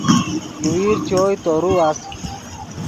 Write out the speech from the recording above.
یوویر چوئے تورو اَس